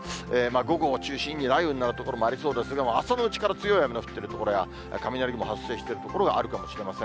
午後を中心に雷雨になる所もありそうですけれども、朝のうちから強い雨の降っている所や、雷雲発生している所があるかもしれません。